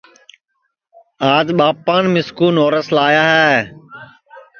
آج ٻاپان مِسکُو نورس لایا ہے